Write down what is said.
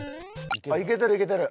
いけてるいけてる！